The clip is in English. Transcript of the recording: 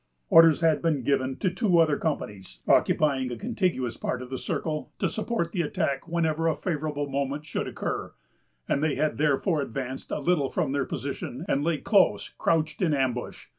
Orders had been given to two other companies, occupying a contiguous part of the circle, to support the attack whenever a favorable moment should occur; and they had therefore advanced a little from their position, and lay close crouched in ambush.